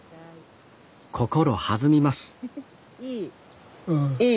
心弾みますいい。